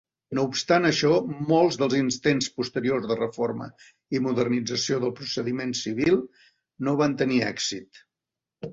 No obstant això, molts dels intents posteriors de reforma i modernització del procediment civil no van tenir èxit.